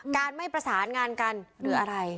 การไม่ประสานงานกันหรืออะไร